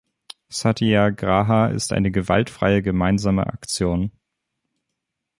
Satyagraha ist eine gewaltfreie gemeinsame Aktion.